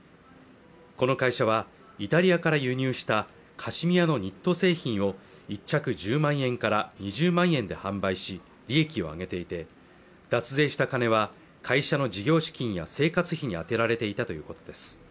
この会社はイタリアから輸入したカシミヤのニット製品を１着１０万円から２０万円で販売し利益を上げていて脱税した金は会社の事業資金や生活費に充てられていたということです